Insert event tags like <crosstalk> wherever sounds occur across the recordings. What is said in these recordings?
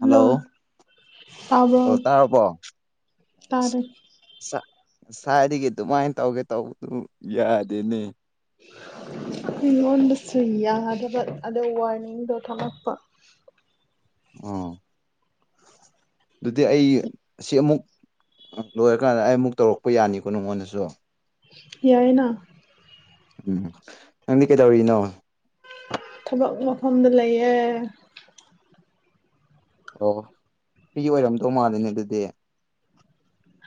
hello <inaudible> hello ꯇꯥꯕ꯭ꯔꯣ ꯑꯣ ꯇꯥꯔꯕꯣ ꯇꯥꯔꯦ ꯁꯥ ꯉꯁꯥꯏꯗꯒꯤ ꯑꯗꯨꯃꯥꯏ ꯇꯧꯒꯦ ꯇꯧꯕꯕꯨ ꯌꯥꯗꯦꯅꯦ ꯑꯩꯉꯣꯟꯗꯁꯨ ꯌꯥꯗꯕ ꯑꯗꯣ ꯋꯥꯔꯅꯤꯡꯗ ꯊꯝꯂꯛꯄ ꯑꯣ ꯑꯗꯨꯗꯤ ꯑꯩ ꯁꯤ ꯑꯃꯨꯛ ꯂꯣꯏꯔꯀꯥꯟꯗ ꯑꯩ ꯑꯃꯨꯛ ꯇꯧꯔꯛꯄ ꯌꯥꯅꯤꯀꯣ ꯅꯉꯣꯟꯗꯁꯨ ꯌꯥꯏꯅ ꯎꯝ ꯅꯪꯗꯤ ꯀꯩꯗꯧꯔꯤꯅꯣ ꯊꯕꯛ ꯃꯐꯝꯗ ꯂꯩꯌꯦ <inaudible> ꯑꯣꯏꯔꯝꯗꯧ ꯃꯥꯜꯂꯦꯅꯦ ꯑꯗꯨꯗꯤ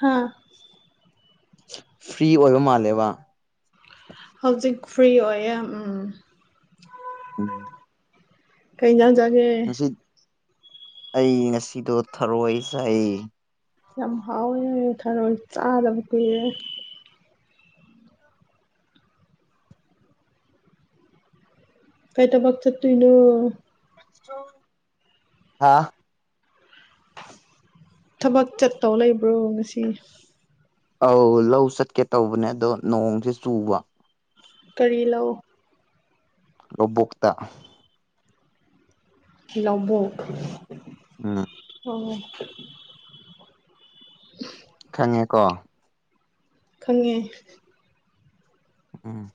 ꯍꯥꯥ ꯐ꯭ꯔꯤ ꯑꯣꯏꯕ ꯃꯥꯜꯂꯦꯕ ꯍꯧꯖꯤꯛ ꯐ꯭ꯔꯤ ꯑꯣꯏꯌꯦ ꯎꯝ ꯎꯝ ꯀꯩ ꯏꯟꯖꯥꯡ ꯆꯥꯒꯦ ꯉꯁꯤ ꯑꯩ ꯉꯁꯤꯗꯣ ꯊꯔꯣꯏ ꯆꯥꯏꯌꯦ ꯌꯥꯝ ꯍꯥꯎꯋꯦ <inaudible> ꯊꯔꯣꯏ ꯆꯥꯗꯕ ꯀꯨꯏꯔꯦ ꯀꯩ ꯊꯕꯛ ꯆꯠꯇꯣꯏꯅꯣ ꯍꯥꯥ ꯊꯕꯛ ꯆꯠꯇꯧ ꯂꯩꯕ꯭ꯔꯣ ꯉꯁꯤ ꯑꯧ ꯂꯧ ꯆꯠꯀꯦ ꯇꯧꯕꯅꯦ ꯑꯗꯣ ꯅꯣꯡꯁꯦ ꯆꯨꯕ ꯀꯔꯤ ꯂꯧ ꯂꯧꯕꯨꯛꯇ <inaudible> ꯂꯧꯕꯣꯛ ꯎꯝ ꯑꯣ ꯈꯪꯉꯦꯀꯣ ꯈꯪꯉꯦ ꯎꯝ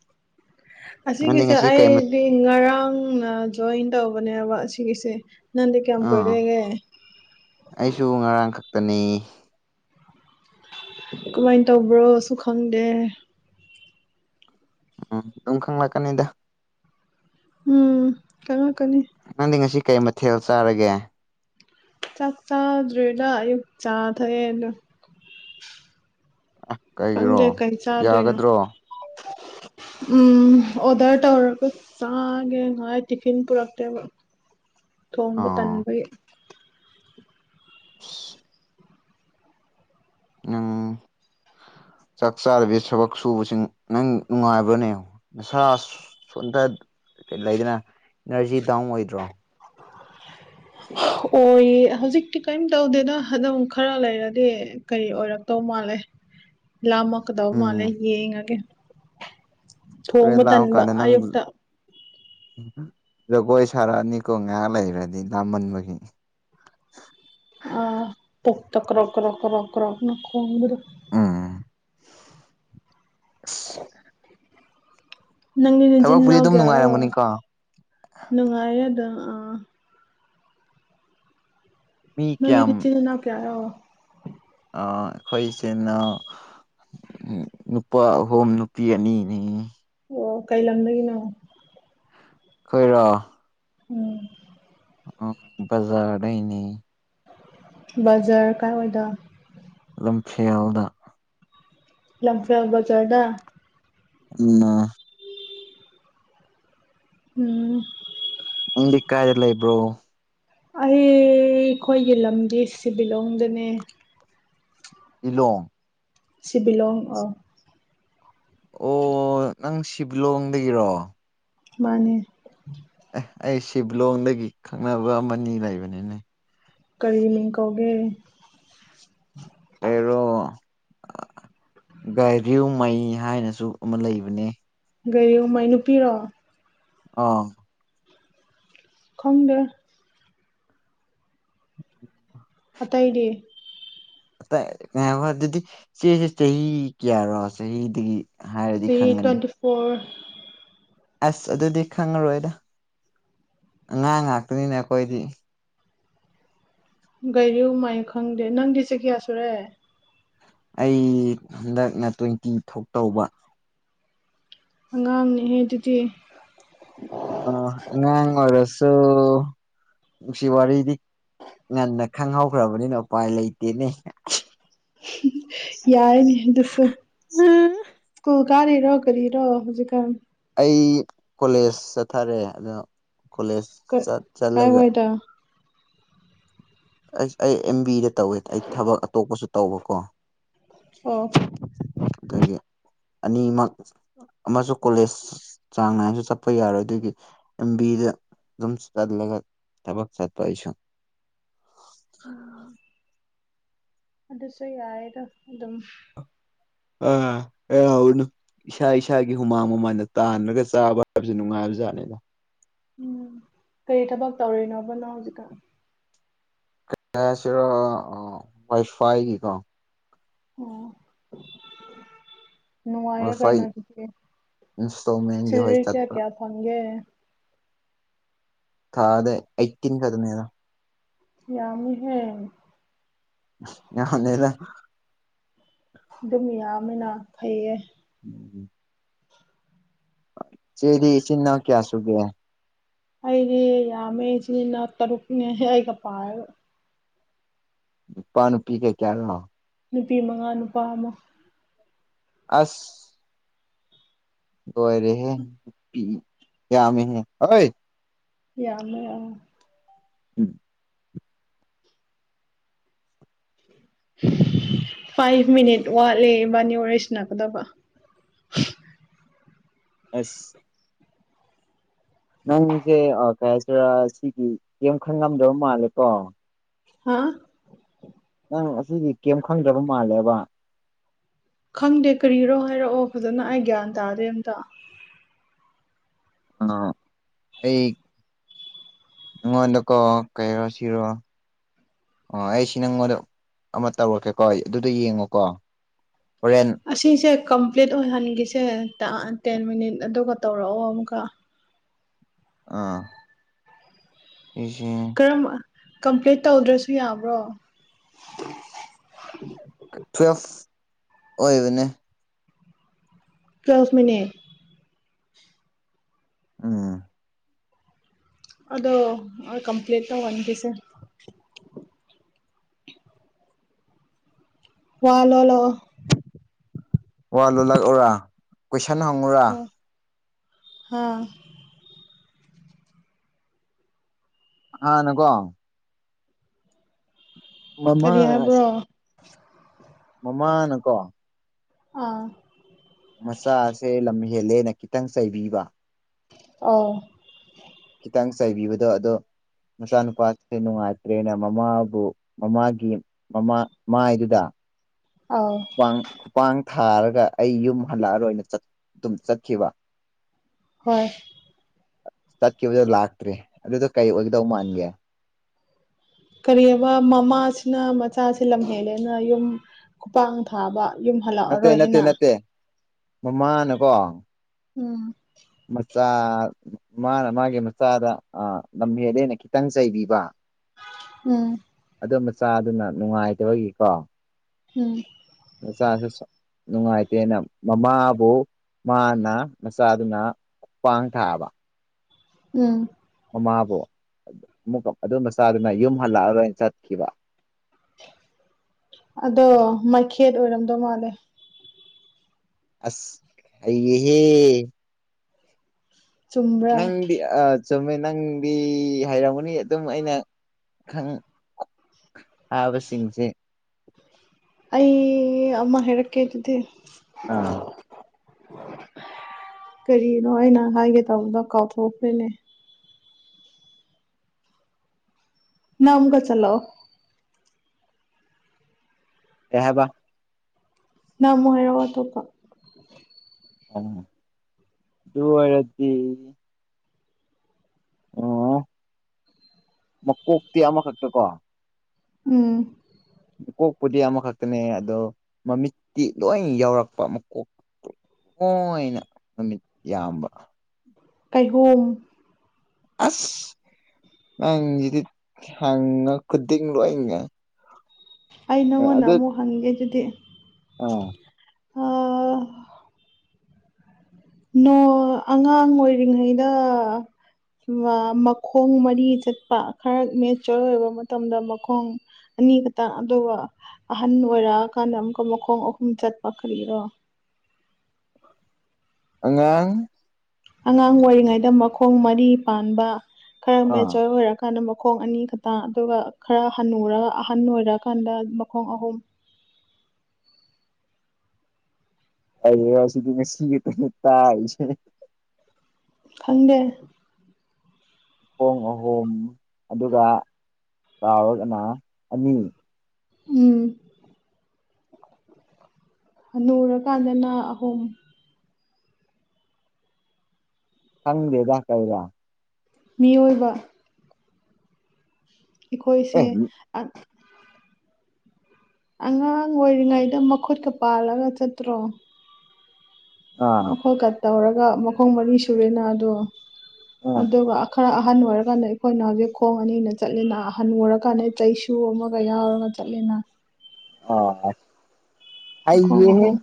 ꯅꯪꯗꯤ ꯑꯁꯤꯒꯤꯁꯦ ꯉꯁꯤ ꯀꯩ ꯃꯠ ꯑꯩꯗꯤ ꯉꯔꯥꯡꯅ ꯖꯣꯏꯟ ꯇꯧꯕꯅꯦꯕ ꯑꯁꯤꯒꯤꯁꯦ ꯅꯟꯗꯤ ꯀꯌꯥꯝ ꯑꯥ ꯀꯣꯏꯔꯦꯒꯦ ꯑꯩꯁꯨ ꯉꯔꯥꯡ ꯈꯛꯇꯅꯦ ꯀꯃꯥꯏ ꯇꯧꯕ꯭ꯔꯣꯁꯨ ꯈꯪꯗꯦ ꯎꯝ ꯑꯗꯨꯝ ꯈꯪꯂꯛꯀꯅꯤꯗ ꯎꯝ ꯀꯅꯥ ꯀꯅꯤ ꯅꯪꯗꯤ ꯉꯁꯤ ꯀꯩ ꯃꯊꯦꯜ ꯆꯥꯔꯒꯦ ꯆꯥꯛ ꯆꯥꯗ꯭ꯔꯤꯗ ꯑꯌꯨꯛ ꯆꯥ ꯊꯛꯑꯦ ꯑꯗꯨ ꯀꯩꯒꯤꯔꯣ ꯈꯪꯗꯦ ꯀꯩ ꯆꯥꯗꯣꯏꯅꯣ ꯌꯥꯒꯗ꯭ꯔꯣ ꯎꯝ ꯑꯣꯗꯔ ꯇꯧꯔꯒ ꯆꯥꯒꯦ ꯉꯥꯏ ꯇꯤꯐꯤꯟ ꯄꯨꯔꯛꯇꯦꯕ ꯊꯣꯡꯕ ꯑꯥ ꯇꯟꯕꯩ ꯑ <unintelligible> ꯅꯪ <inaudible> ꯆꯥꯛ ꯆꯥꯗꯕꯤ ꯊꯕꯛ ꯁꯨꯕꯁꯤꯡ ꯅꯪ ꯅꯨꯡꯉꯥꯏꯕ꯭ꯔꯅꯦ ꯃꯁꯥ ꯁꯣꯟꯗꯠ ꯂꯩꯗꯅ ꯏꯅꯔꯖꯤ ꯗꯥꯎꯟ ꯑꯣꯏꯗ꯭ꯔꯣ ꯑꯣꯏꯌꯦ ꯍꯧꯖꯤꯛꯇꯤ ꯀꯏꯝ ꯇꯧꯗꯦꯗ ꯑꯗꯨꯝ ꯈꯔ ꯂꯩꯔꯗꯤ ꯀꯔꯤ ꯑꯣꯏꯔꯛꯇꯧ ꯃꯥꯜꯂꯦ ꯂꯥꯝꯃꯛꯀꯗꯧ ꯃꯥꯜꯂꯦ ꯎꯝ ꯌꯦꯡꯉꯒꯦ ꯍꯣꯔꯦꯟ ꯊꯣꯡꯕ ꯂꯥꯝ ꯇꯟꯕ ꯀꯥꯟꯗ ꯅꯪ ꯑꯌꯨꯛꯇ ꯖꯒꯣꯏ ꯁꯥꯔꯑꯅꯤꯀꯣ ꯉꯩꯑꯛ ꯂꯩꯔꯗꯤ ꯂꯥꯝꯃꯟꯕꯒꯤ ꯑ ꯄꯣꯛꯇ ꯀ꯭ꯔꯣ ꯀ꯭ꯔꯣ ꯀ꯭ꯔꯣ ꯀ꯭ꯔꯣꯅ ꯈꯣꯡꯕꯗꯣ ꯎꯝ ꯑꯁ ꯅꯪꯗꯤ ꯅꯆꯤꯟ ꯊꯕꯛꯄꯨꯗꯤ ꯅꯅꯥꯎ ꯑꯗꯨꯝ ꯒꯤꯌꯥꯔꯣ ꯅꯨꯡꯉꯥꯏꯔꯝꯒꯅꯤꯀꯣ ꯅꯨꯡꯉꯥꯏꯌꯦꯗꯥ ꯃꯤ ꯅꯣꯏꯗꯤ ꯀꯌꯥꯝ ꯅꯆꯤꯟ ꯅꯅꯥꯎ ꯀꯤꯌꯥꯔꯣ ꯑ ꯑꯩꯈꯣꯏ ꯏꯆꯦꯅ ꯅꯨꯄꯥ ꯑꯍꯨꯝ ꯅꯨꯄꯤ ꯑꯅꯤꯅꯤ ꯑꯣ ꯀꯩ ꯂꯝꯗꯒꯤꯅꯣ ꯈꯣꯏꯔꯣ ꯎꯝ ꯕꯖꯥꯔꯗꯩꯅꯦ ꯕꯖꯥꯔ ꯀꯥꯏꯋꯥꯏꯗ ꯂꯝꯐꯦꯜꯗ ꯂꯝꯐꯦꯜ ꯕꯖꯥꯔꯗ ꯎꯝꯅ ꯎꯝ ꯅꯪꯗꯤ ꯀꯥꯏꯗ ꯂꯩꯕ꯭ꯔꯣ ꯑꯩꯈꯣꯏꯒꯤ ꯂꯝꯗꯤ ꯁꯤꯕꯤꯂꯣꯡꯗꯅꯦ ꯏꯂꯣꯡ ꯁꯤꯕꯤꯂꯣꯡ ꯑ ꯑꯣ ꯅꯪ ꯁꯤꯕꯤꯂꯣꯡꯗꯒꯤꯔꯣ ꯃꯅꯦ ꯑꯦ ꯑꯩ ꯁꯤꯕꯤꯂꯣꯡꯗꯒꯤ ꯈꯪꯅꯕ ꯑꯃꯅꯤ ꯂꯩꯕꯅꯤꯅꯦ ꯀꯔꯤ ꯃꯤꯡ ꯀꯧꯒꯦ ꯒꯥꯏꯔꯤꯎꯃꯩ ꯍꯥꯏꯅꯁꯨ ꯑꯃ ꯂꯩꯕꯅꯦ ꯒꯥꯏꯔꯤꯎꯃꯩ ꯅꯨꯄꯤꯔꯣ ꯑ ꯈꯪꯗꯦ <unintelligible> ꯑꯇꯩꯗꯤ ꯉꯥꯏꯈꯣ ꯑꯗꯨꯗꯤ ꯏꯆꯩꯁꯦ ꯆꯍꯤ ꯀꯌꯥꯔꯣ ꯆꯍꯤꯗꯒꯤ ꯍꯥꯏꯔꯗꯤ ꯆꯍꯤ ꯈꯪꯒꯅꯤ ꯇ꯭ꯋꯦꯟꯇꯤ ꯐꯣꯔ ꯑꯁ ꯑꯗꯨꯗꯤ ꯈꯪꯉꯔꯣꯏꯗ ꯑꯉꯥꯡ ꯉꯥꯛꯇꯅꯤꯅ ꯑꯩꯈꯣꯏꯗꯤ ꯒꯥꯔꯨꯃꯩ ꯈꯪꯗꯦ ꯅꯪꯗꯤ ꯆꯍꯤ ꯀꯌꯥ ꯁꯨꯔꯦ ꯑꯩ ꯍꯟꯗꯛꯅ ꯇ꯭ꯋꯦꯟꯇꯤ ꯊꯣꯛ ꯇꯧꯕ ꯑꯉꯥꯡꯅꯤꯍꯦ ꯑꯗꯨꯗꯤ ꯑꯥ ꯑꯉꯥꯡ ꯑꯣꯏꯔꯁꯨ ꯅꯨꯡꯁꯤ ꯋꯥꯔꯤꯗꯤ ꯉꯟꯅ ꯈꯪꯍꯧꯈ꯭ꯔꯕꯅꯤꯅ ꯎꯄꯥꯏ ꯂꯩꯇꯦꯅꯦ ꯌꯥꯔꯅꯤ ꯑꯗꯨꯁꯨ ꯁꯀꯨꯜ ꯀꯥꯔꯤ ꯔꯣ ꯀꯔꯤꯔꯣ ꯍꯧꯖꯤꯛꯀꯥꯟ ꯑꯩ ꯀꯣꯂꯦꯖ ꯆꯠꯊꯔꯦ ꯑꯗꯣ ꯀꯣꯂꯦꯖ ꯀꯥ ꯆꯠ ꯀꯥꯏ ꯆꯠꯂꯒ ꯋꯥꯏꯗ ꯑꯩꯁ ꯑꯩ ꯑꯦꯝ ꯕꯤꯗ ꯇꯧꯋꯦ ꯑꯩ ꯊꯕꯛ ꯑꯇꯣꯞꯄꯁꯨ ꯇꯧꯕꯀꯣ ꯑꯣ ꯑꯗꯒꯤ ꯑꯅꯤꯃꯛ ꯑꯃꯁꯨ ꯀꯣꯂꯦꯖ ꯆꯥꯡ ꯅꯥꯏꯅꯁꯨ ꯆꯠꯄ ꯌꯥꯔꯣꯏ ꯑꯗꯨꯒꯤ ꯑꯦꯝꯕꯤꯗ ꯑꯗꯨꯝ ꯆꯠꯂꯒ ꯊꯕꯛ ꯆꯠꯄ ꯑꯩꯁꯨ ꯎꯝ ꯑꯗꯨꯁꯨ ꯌꯥꯏꯌꯦꯗ ꯑꯗꯨꯝ ꯑꯥ ꯌꯥꯕꯅꯦ ꯏꯁꯥ ꯏꯁꯥꯒꯤ ꯍꯨꯃꯥꯡ ꯃꯃꯥꯡꯗ ꯇꯥꯟꯂꯒ ꯆꯥꯕ ꯍꯥꯏꯕꯁꯨ ꯅꯨꯡꯉꯥꯏꯕ ꯖꯥꯠꯅꯤꯗ ꯎꯝ ꯀꯔꯤ ꯊꯕꯛ ꯇꯧꯔꯤꯅꯣꯕ ꯅꯣ ꯍꯧꯖꯤꯛꯀꯥꯟ ꯀꯌꯥꯁꯔ ꯋꯥꯏꯐꯥꯏꯒꯤꯀꯣ ꯑꯣ ꯅꯨꯡꯉꯥꯏꯌꯦ ꯀꯩꯅꯣ ꯋꯥꯏꯐꯥꯏ ꯑꯗꯨꯁꯨ ꯏꯟꯁꯇꯣꯜꯃꯦꯟꯒꯤ ꯍꯣꯏ ꯁꯦꯂꯔꯤ ꯀꯌꯥ ꯆꯠꯄ ꯀꯌꯥ ꯐꯪꯒꯦ ꯊꯥꯗ ꯑꯩꯇꯤꯟ ꯈꯥꯛꯇ ꯅꯦꯗ ꯌꯥꯝꯃꯤꯍꯦ ꯌꯥꯝꯗꯦꯗ ꯑꯗꯨꯝ ꯌꯥꯝꯃꯦꯅꯥ ꯐꯩꯌꯦ ꯎꯝ ꯎꯝ ꯏꯆꯦꯗꯤ ꯏꯆꯤꯟ ꯏꯅꯥꯎ ꯀꯌꯥꯁꯨꯨꯒꯦ ꯑꯩꯗꯤ ꯌꯥꯝꯃꯦ ꯏꯆꯤꯟ ꯏꯅꯥꯎ ꯇꯔꯨꯛꯅꯦ ꯑꯩꯒ ꯄꯔꯥꯒ ꯅꯨꯄꯥ ꯅꯨꯄꯤ ꯀꯩ ꯀꯌꯥꯅꯣ ꯅꯨꯄꯤ ꯃꯉꯥ ꯅꯨꯄꯥ ꯑꯃ ꯑꯁ ꯂꯣꯏꯔꯦꯍꯦ ꯅꯨꯄꯤ ꯌꯥꯝꯃꯦꯍꯦ ꯌꯥꯝꯃꯦ ꯎꯝ ꯐꯥꯏꯚ ꯃꯤꯅꯤꯠ ꯋꯥꯠꯂꯤ ꯏꯕꯥꯅꯤ ꯋꯥꯔꯤ ꯁꯥꯟꯅꯒꯗꯕ ꯑꯁ ꯅꯪꯁꯦ ꯑꯥ ꯀꯩ ꯍꯥꯏꯁꯤꯔꯥ ꯁꯤꯒꯤ ꯌꯥꯝ ꯈꯪꯉꯝꯗꯕ ꯃꯥꯜꯂꯦꯀꯣ ꯍꯥꯥ ꯅꯪ ꯑꯁꯤꯒꯤ ꯀꯩꯝ ꯈꯪꯗꯕ ꯃꯥꯜꯂꯦꯕ ꯈꯪꯗꯦ ꯀꯔꯤꯔꯣ ꯍꯥꯏꯔꯛꯑꯣ ꯐꯥꯖꯅ ꯑꯩ ꯒ꯭ꯌꯥꯟ ꯇꯥꯗꯦ ꯑꯝꯇ ꯑ ꯑꯩ ꯑꯩꯉꯣꯟꯗꯀꯣ ꯀꯩꯔꯣ ꯁꯤꯔꯣ ꯑꯣ ꯑꯩ ꯁꯤ ꯅꯪꯉꯣꯟꯗ ꯑꯃ ꯇꯧꯔꯛꯀꯦꯀꯣ ꯑꯩ ꯑꯗꯨꯗ ꯌꯦꯡꯉꯣꯀꯣ ꯍꯣꯔꯦꯟ ꯑꯁꯤꯁꯦ ꯀꯝꯄ꯭ꯂꯤꯠ ꯑꯣꯏꯍꯟꯈꯤꯁꯦ ꯇ ꯇꯦꯟ ꯃꯤꯅꯤꯠ ꯑꯗꯨꯒ ꯇꯧꯔꯛꯑꯣ ꯑꯃꯨꯛꯀ ꯑꯥ ꯑꯦꯁꯦ ꯀꯔꯝꯃ ꯀꯝꯄ꯭ꯂꯦꯠ ꯇꯧꯗ꯭ꯔꯁꯨ ꯌꯥꯕ꯭ꯔꯣ ꯇꯨꯋꯦꯜꯐ ꯑꯣꯏꯕꯅꯦ ꯇꯨꯋꯦꯜꯞ ꯃꯤꯅꯤꯠ ꯎꯝ ꯑꯗꯣ ꯀꯝꯄ꯭ꯂꯦꯠ ꯇꯧꯍꯟꯈꯤꯁꯦ ꯋꯥ ꯂꯣꯜꯂꯛꯑꯣ ꯋꯥ ꯂꯣꯜꯂꯛꯎꯔꯥ ꯀꯣꯏꯁꯟ ꯍꯪꯉꯨꯔꯥ ꯍꯥꯥ ꯍꯥꯟꯅꯀꯣ ꯃꯃꯥ ꯀꯔꯤ ꯍꯥꯏꯕ꯭ꯔꯣ ꯃꯃꯥꯅ ꯀꯣ ꯑꯥ ꯃꯆꯥꯁꯦ ꯂꯝ ꯍꯦꯜꯂꯦꯅ ꯈꯤꯇꯪ ꯆꯩꯕꯤꯕ ꯑꯥꯎ ꯈꯤꯇꯪ ꯆꯥꯏꯕꯤꯕꯗꯣ ꯑꯗꯣ ꯃꯆꯥꯅꯨꯄꯥ ꯁꯦ ꯅꯨꯡꯉꯥꯏꯇ꯭ꯔꯦꯅ ꯃꯃꯥꯕꯨ ꯃꯃꯥꯒꯤ ꯃꯃꯥ ꯃꯥꯏꯗꯨꯗ ꯑꯥꯎ ꯈꯨꯄꯥꯡ ꯈꯨꯄꯥꯡ ꯊꯥꯔꯒ ꯑꯩ ꯌꯨꯝ ꯍꯜꯂꯛꯑꯔꯣꯏꯅ ꯑꯗꯨꯝ ꯆꯠꯈꯤꯕ ꯍꯣꯏ ꯆꯠꯈꯤꯕꯗꯨ ꯂꯥꯛꯇ꯭ꯔꯦ ꯑꯗꯨꯗꯣ ꯀꯩ ꯑꯣꯏꯒꯗꯧ ꯃꯥꯟꯒꯦ ꯀꯔꯤꯌꯦꯕ ꯃꯃꯥꯁꯤꯅ ꯃꯆꯥꯁꯤ ꯂꯝꯍꯦꯜꯂꯦꯅ ꯌꯨꯝ ꯈꯨꯄꯥꯛꯅ ꯊꯥꯕ ꯌꯨꯝ ꯅꯠꯇꯦ ꯍꯜꯂꯛꯑꯔꯣꯏ ꯅꯠꯇꯦ ꯍꯥꯏꯅ ꯅꯠꯇꯦ ꯃꯃꯥꯅꯀꯣ ꯎꯝ ꯃꯆꯥ ꯃꯥꯅ ꯃꯥꯒꯤ ꯃꯆꯥꯗ ꯂꯝꯍꯦꯜꯂꯦꯅ ꯈꯤꯇꯪ ꯆꯩꯕꯤꯕ ꯎꯝ ꯑꯗꯨ ꯃꯆꯥꯗꯨꯅ ꯅꯨꯡꯉꯥꯏꯇꯕꯒꯤꯀꯣ ꯎꯝ ꯃꯆꯥꯁꯨ ꯆꯥꯎ ꯅꯨꯡꯉꯥꯏꯇꯦꯅ ꯃꯃꯥꯕꯨ ꯃꯥꯅ ꯃꯆꯥꯗꯨꯅ ꯈꯨꯄꯥꯡꯅ ꯊꯥꯕ ꯎꯝ ꯃꯃꯥꯕꯨ ꯑꯃꯨꯛꯀ ꯑꯗꯨ ꯃꯆꯥꯗꯨꯅ ꯌꯨꯝ ꯍꯜꯂꯛꯑ ꯔꯣꯏꯅ ꯆꯠꯈꯤꯕ ꯑꯗꯣ ꯃꯩꯈꯦꯠ ꯑꯣꯏꯔꯝꯗꯧ ꯃꯥꯜꯂꯦ ꯑꯁ ꯍꯩꯌꯦꯍꯦ ꯆꯨꯝꯕ꯭ꯔꯥ ꯅꯪꯗꯤ ꯑꯠ ꯆꯨꯝꯃꯦ ꯅꯪꯗꯤ ꯍꯩꯔꯝꯒꯅꯤ ꯑꯗꯨꯝ ꯑꯩꯅ ꯈꯪ ꯍꯕꯁꯤꯡꯆꯦ ꯑꯩ ꯑꯃ ꯍꯥꯏꯔꯛꯀꯦ ꯗꯨꯗꯤ ꯑꯥ ꯀꯔꯤꯅꯣ ꯑꯩꯅ ꯍꯥꯏꯒꯦ ꯇꯥꯎꯕꯗꯣ ꯀꯥꯎꯊꯣꯛꯈ꯭ꯔꯦꯅꯦ ꯅꯪ ꯑꯃꯨꯛꯀ ꯆꯠꯂꯣ ꯀꯩ ꯍꯥꯏꯕ ꯅꯪ ꯑꯃꯨꯛ ꯍꯥꯏꯔꯛꯑꯣ ꯑꯇꯣꯞꯄ ꯑꯥ ꯑꯗꯨ ꯂꯣꯏꯔꯗꯤ ꯑꯣ ꯃꯀꯣꯛꯇꯤ ꯑꯃ ꯈꯛꯇꯀꯣ ꯎꯝ ꯃꯀꯣꯛꯄꯨꯗꯤ ꯑꯃ ꯈꯛꯇꯅꯦ ꯑꯗꯣ ꯃꯃꯤꯠꯇꯤ ꯂꯣꯏꯟ ꯌꯥꯎꯔꯛꯄ ꯃꯀꯣꯛꯇꯨ ꯂꯣꯏꯅ ꯃꯃꯤꯠ ꯌꯥꯝꯕ ꯀꯩꯍꯣꯝ ꯑꯁ ꯅꯪ ꯖꯤꯗꯤꯠ ꯍꯪꯉ ꯈꯨꯗꯤꯡ ꯂꯣꯏꯉ ꯑꯩ ꯅꯪꯉꯣꯟꯗ ꯑꯃꯨꯛ ꯍꯪꯒꯦ ꯑꯗꯨꯗꯤ ꯑꯥ ꯑꯥ ꯅꯣ ꯑꯉꯥꯡ ꯑꯣꯏꯔꯤꯉꯩꯗ ꯃꯥ ꯃꯈꯣꯡ ꯃꯔꯤ ꯆꯠꯄ ꯈꯔ ꯃꯦꯆꯣꯔ ꯑꯣꯏꯕ ꯃꯇꯝꯗ ꯃꯈꯣꯡ ꯑꯅꯤ ꯈꯇꯪ ꯑꯗꯨꯒ ꯑꯍꯟ ꯑꯣꯏꯔꯑ ꯀꯥꯟꯗ ꯑꯃꯨꯛꯀ ꯃꯈꯣꯡ ꯑꯍꯨꯝ ꯆꯠꯄ ꯀꯔꯤꯔꯣ ꯑꯉꯥꯡ ꯑꯉꯥꯡ ꯑꯣꯏꯔꯤꯉꯩꯗ ꯃꯈꯣꯡ ꯃꯔꯤ ꯄꯥꯟꯕ ꯈꯔ ꯑꯥ ꯃꯦꯆꯣꯔ ꯑꯣꯏꯔꯛ ꯀꯥꯟꯅ ꯃꯈꯣꯡ ꯑꯅꯤ ꯈꯠꯇ ꯑꯗꯨꯒ ꯈꯔ ꯍꯟꯅꯨꯔꯒ ꯑꯍꯟ ꯑꯣꯏꯔꯛ ꯀꯥꯟꯗ ꯃꯈꯣꯡ ꯑꯍꯨꯝ ꯑꯩꯌꯥ ꯁꯤꯗꯤ ꯉꯁꯤ ꯈꯛꯇꯅꯤ ꯇꯥꯔꯤꯁꯤ ꯈꯪꯗꯦ ꯈꯣꯡ ꯑꯍꯨꯝ ꯑꯗꯨꯒ ꯆꯥꯎꯔꯒꯅ ꯑꯅꯤ ꯎꯝ ꯍꯅꯨꯔ ꯀꯥꯟꯗꯅ ꯑꯍꯨꯝ ꯈꯪꯗꯦꯗ ꯀꯩꯔꯤꯔ ꯃꯤꯑꯣꯏꯕ ꯏꯈꯣꯏꯁꯦ ꯑꯦ ꯑꯛ ꯑꯉꯥꯡ ꯑꯣꯏꯔꯤꯉꯩꯗ ꯃꯈꯨꯠꯀ ꯄꯥꯜꯂꯒ ꯆꯠꯇ꯭ꯔꯣ ꯑꯥ ꯃꯈꯨꯠꯀ ꯇꯧꯔꯒ ꯃꯈꯣꯡ ꯃꯔꯤ ꯁꯨꯔꯦꯅ ꯑꯗꯨ ꯑꯥ ꯑꯗꯨꯒ ꯑꯈꯔ ꯑꯍꯟ ꯑꯣꯏꯔ ꯀꯥꯟꯗ ꯑꯩꯈꯣꯏꯅ ꯍꯧꯖꯤꯛ ꯈꯣꯡ ꯑꯅꯤꯅ ꯆꯠꯂꯤꯅ ꯍꯟꯅꯨꯔ ꯀꯥꯟ ꯆꯩꯁꯨ ꯁꯨ ꯑꯃꯒ ꯌꯥꯎꯔꯒ ꯆꯠꯂꯦꯅ ꯑꯥꯁ ꯃꯈꯣꯡ ꯑꯍꯨꯝ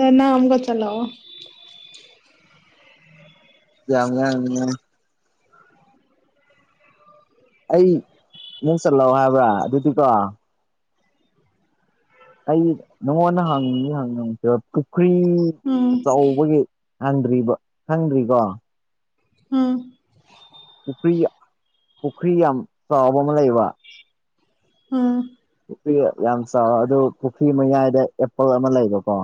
ꯑꯗꯣ ꯅꯪ ꯑꯃꯨꯀ ꯆꯠꯂꯛꯑꯣ ꯌꯥꯝ ꯉꯥꯡꯉꯤꯅ ꯑꯩ ꯃꯨ ꯆꯜꯂꯥꯎ ꯍꯥꯏꯕ꯭ꯔꯥ ꯑꯗꯨꯗꯤꯀꯣ ꯑꯩ ꯅꯉꯣꯟꯗ ꯍꯪꯗꯤ ꯍꯪꯉꯝꯈꯤꯔꯣꯏ ꯄꯨꯈ꯭ꯔꯤ ꯎꯝ ꯑꯆꯧꯕꯒꯤ ꯍꯪꯗ꯭ꯔꯤꯕ ꯍꯪꯗ꯭ꯔꯤꯀꯣ ꯑꯝ ꯄꯨꯀ꯭ꯔꯤ ꯄꯨꯈ꯭ꯔꯤ ꯌꯥꯝ ꯆꯥꯎꯕ ꯑꯃ ꯂꯩꯌꯦꯕ ꯑꯝ ꯄꯨꯈ꯭ꯔꯤ ꯌꯥꯝ ꯆꯥꯎꯑꯦ ꯑꯗꯨ ꯄꯨꯈ꯭ꯔꯤ ꯃꯌꯥꯏꯗ ꯑꯦꯄꯜ ꯑꯃ ꯂꯩꯕꯀꯣ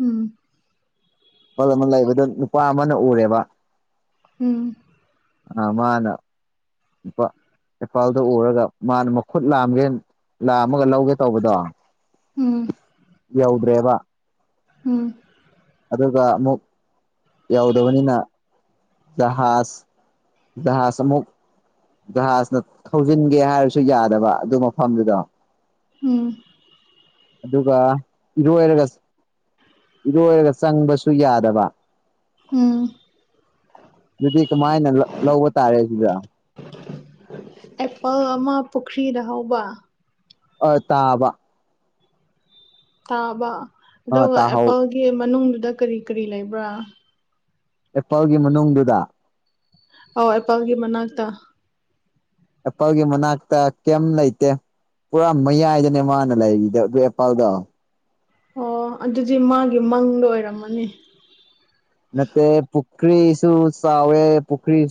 ꯎꯝ ꯑꯦꯄꯜ ꯑꯃ ꯂꯩꯕꯗꯣ ꯅꯨꯄꯥ ꯑꯃꯅ ꯎꯔꯦꯕ ꯑꯝ ꯑꯥ ꯃꯥꯅ ꯅꯨꯄꯥ ꯏꯄꯥꯜꯗꯣ ꯎꯔꯒ ꯃꯥꯅ ꯃꯈꯨꯠ ꯂꯥꯝꯒꯦꯟ ꯂꯥꯝꯃꯒ ꯂꯧꯒꯦ ꯇꯧꯕꯗꯣ ꯎꯝ ꯌꯧꯗ꯭ꯔꯦꯕ ꯎꯝ ꯑꯗꯨꯒ ꯑꯃꯨꯛ ꯌꯧꯗꯕꯅꯤꯅ ꯖꯍꯥꯖ ꯖꯍꯥꯖ ꯑꯃꯨꯛ ꯖꯍꯥꯖꯅ ꯊꯧꯖꯤꯟꯒꯦ ꯍꯥꯏꯔꯁꯨ ꯌꯥꯗꯕ ꯑꯗꯨ ꯃꯐꯝꯗꯨꯗꯥ ꯍꯝ ꯑꯗꯨꯒ ꯏꯔꯣꯏꯔꯒ ꯏꯔꯣꯏꯔ ꯆꯪꯕꯁꯨ ꯌꯥꯗꯕ ꯍꯝ ꯑꯗꯨꯗꯤ ꯀꯃꯥꯏꯅ ꯂꯧ ꯂꯧꯕ ꯇꯥꯔꯦ ꯁꯤꯗ ꯑꯦꯄꯜ ꯑꯃ ꯄꯨꯈ꯭ꯔꯤꯗ ꯍꯧꯕ ꯑ ꯇꯥꯕ ꯇꯥꯕ ꯑ ꯑꯗꯨꯒ ꯇꯥꯍꯧ ꯑꯦꯄꯜꯒꯤ ꯃꯅꯨꯡꯗꯨꯗ ꯀꯔꯤ ꯀꯔꯤ ꯂꯩꯕ꯭ꯔꯥ ꯑꯦꯄꯜꯒꯤ ꯃꯅꯨꯡꯗꯨꯗ ꯑꯧ ꯑꯦꯄꯜꯒꯤ ꯃꯅꯥꯛꯇ ꯑꯦꯄꯜꯒꯤ ꯃꯅꯥꯛꯇ ꯀꯦꯝ ꯂꯩꯩꯇꯦ ꯄꯨꯔꯥ ꯃꯌꯥꯏꯗꯅꯦ ꯃꯥꯅ ꯂꯩꯔꯤꯗꯣ ꯑꯗꯨ ꯑꯦꯄꯜꯗꯣ ꯑꯣ ꯑꯗꯨꯗꯤ ꯃꯥꯒꯤ ꯃꯪꯗꯥ ꯑꯣꯏꯔꯝꯃꯅꯤ ꯅꯠꯇꯦ ꯄꯨꯈ꯭ꯔꯤ ꯁꯨ ꯆꯥꯎꯋꯦ ꯄꯨꯈ꯭ꯔꯤ